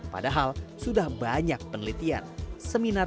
padahal sudah banyak penelitian